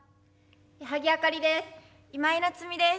矢作あかりです。